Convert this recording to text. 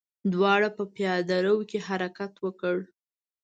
دواړو په پياده رو کې حرکت وکړ.